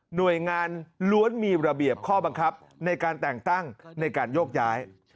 หน่วยงานล้วนมีระเบียบข้อบังคับในการแต่งตั้งในการโยกย้าย